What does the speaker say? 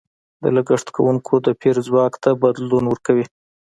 د لګښت کوونکو د پېر ځواک ته بدلون ورکوي.